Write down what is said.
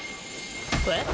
えっ？